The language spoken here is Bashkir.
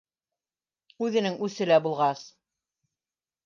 Үҙенең үсе лә булғас